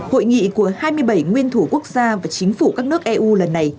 hội nghị của hai mươi bảy nguyên thủ quốc gia và chính phủ các nước eu lần này